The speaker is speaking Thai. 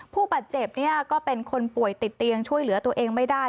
ผู้บาดเจ็บก็เป็นคนป่วยติดเตียงช่วยเหลือตัวเองไม่ได้